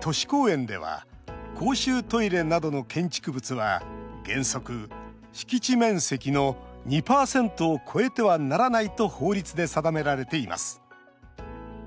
都市公園では公衆トイレなどの建築物は原則、敷地面積の２％を超えてはならないと法律で定められています。